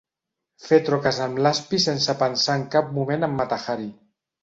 Fer troques amb l'aspi sense pensar en cap moment en Mata-Hari.